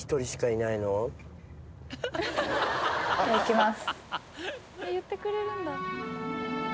じゃあいきます。